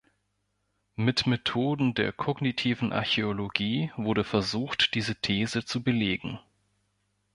Mit Methoden der kognitiven Archäologie wurde versucht, diese These zu belegen.